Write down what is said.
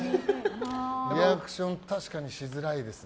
リアクション確かにしづらいですね。